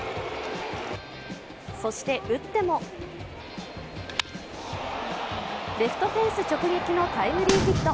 そして打ってもレフトフェンス直撃のタイムリーヒット。